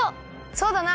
そうだな！